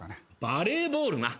バレーボールな。